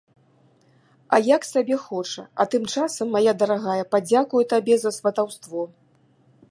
А як сабе хоча, а тым часам, мая дарагая, падзякую табе за сватаўство.